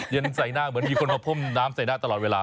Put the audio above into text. ใส่หน้าเหมือนมีคนมาพ่นน้ำใส่หน้าตลอดเวลา